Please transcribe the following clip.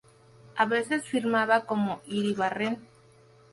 A veces firmaba como Iribarren.